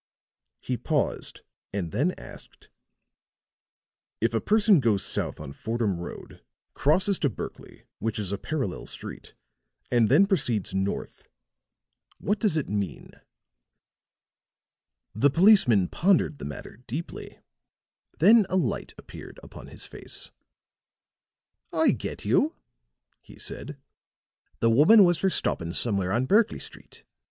He paused and then asked: "If a person goes south on Fordham Road, crosses to Berkley, which is a parallel street, and then proceeds north, what does it mean?" The policeman pondered the matter deeply; then a light appeared upon his face. "I get you," he said. "The woman was for stoppin' somewhere on Berkley Street.